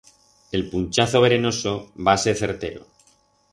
El punchazo verenoso va ser certero.